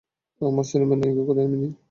আমার সিনেমায় নায়িকা কোথায়, মিমি?